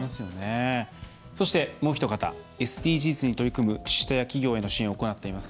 そして、もうひと方ＳＤＧｓに取り組む自治体や企業への支援を行っています